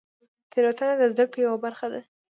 تېروتنه د زدهکړې یوه برخه ده.